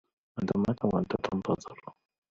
منذ متى وأنت تنتظر ؟